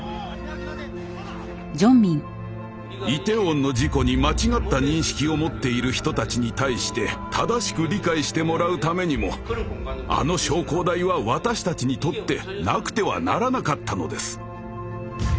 イテウォンの事故に間違った認識を持っている人たちに対して正しく理解してもらうためにもあの焼香台は私たちにとってなくてはならなかったのです。